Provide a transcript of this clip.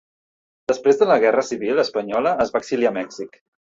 Després de la Guerra Civil espanyola es va exiliar a Mèxic.